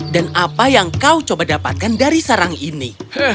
dan apa yang kau coba dapatkan dari sarang ini